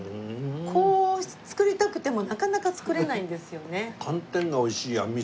こう作りたくてもなかなか作れないんですよね。